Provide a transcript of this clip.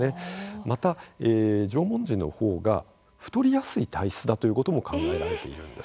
また、縄文人の方が太りやすい体質だということも考えられているんです。